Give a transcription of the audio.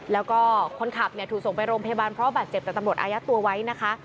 แล้วก็คนขับเนี่ยถูกส่งไปโรงพยาบาลเพราะบาดเจ็บแต่ตำรวจอายัดตัวไว้นะคะ